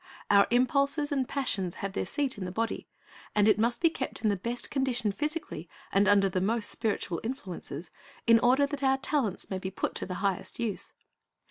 Our impulses and passions have their seat in the body, and it must be kept in the best condition physically, and under the most spiritual influences, in order that our talents may be put to the highest use.